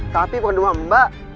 tapi bukan rumah mbak